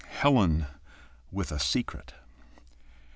HELEN WITH A SECRET.